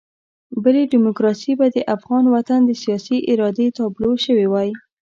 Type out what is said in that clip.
بلکې ډیموکراسي به د افغان وطن د سیاسي ارادې تابلو شوې وای.